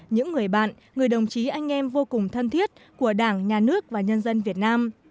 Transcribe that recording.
những người bạn người đồng chí anh em vô cùng thân thiết của đảng nhà nước và nhân dân việt nam